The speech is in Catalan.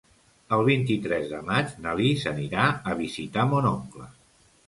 El vint-i-tres de maig na Lis anirà a visitar mon oncle.